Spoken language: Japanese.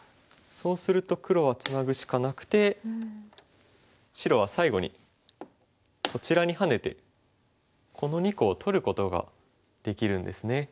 そうすると黒はツナぐしかなくて白は最後にこちらにハネてこの２個を取ることができるんですね。